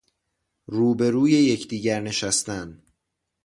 رو به رو یکدیگر نشستن